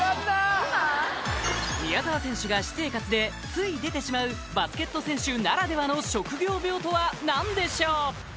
宮澤選手が私生活でつい出てしまうバスケット選手ならではの職業病とは何でしょう？